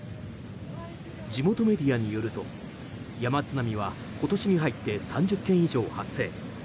地元メディアによると、山津波は今年に入って３０件以上発生。